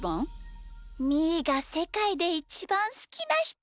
みーがせかいでイチバンすきなひと！